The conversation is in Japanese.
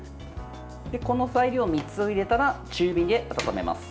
この材料３つを入れたら中火で温めます。